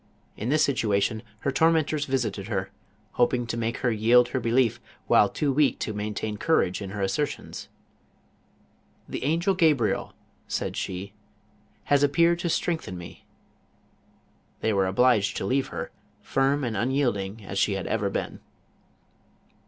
In this situation, her tormentors visited her, hoping to make her yield her belief whilo too weak to maintain courage in her assertions. "The angel Gabriel," said she, '• has appeared to strengthen me." They were obliged to leave her, firm and un yielding as she had ever been.